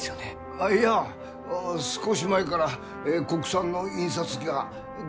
あっいや少し前から国産の印刷機が出てきたよ。